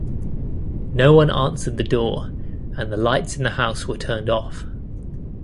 No one answered the door and the lights in the house were turned off.